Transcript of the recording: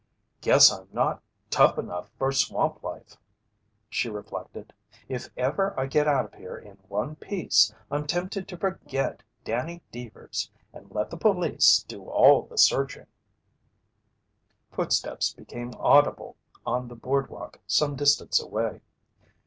"Guess I'm not tough enough for swamp life," she reflected. "If ever I get out of here in one piece, I'm tempted to forget Danny Deevers and let the police do all the searching." Footsteps became audible on the boardwalk some distance away.